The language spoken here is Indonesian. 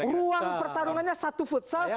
ruang pertarungannya satu futsal